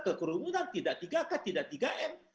kekerumunan tidak tiga k tidak tiga m